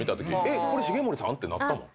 これ重盛さん？ってなったもん。